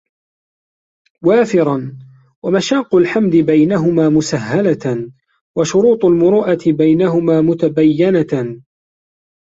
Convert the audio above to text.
وَافِرًا ، وَمَشَاقُّ الْحَمْدِ بَيْنَهُمَا مُسَهَّلَةً ، وَشُرُوطُ الْمُرُوءَةِ بَيْنَهُمَا مُتَبَيَّنَةً